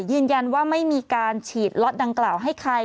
ยืนยันว่าไม่มีการฉีดล็อตดังกล่าวให้ใคร